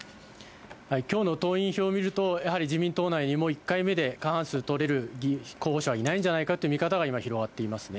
きょうの党員票を見ると、やはり自民党内にも１回目で過半数取れる候補者はいないんじゃないかという見方が今、広がっていますね。